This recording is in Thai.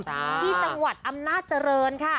ที่จังหวัดอำนาจเจริญค่ะ